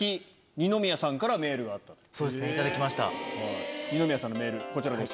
二宮さんのメールこちらです。